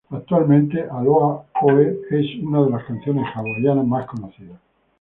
Actualmente, "Aloha Oe" es una de las canciones hawaianas más conocidas.